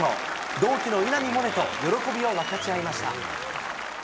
同期の稲見萌寧と喜びを分かち合いました。